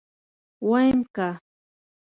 ويم که.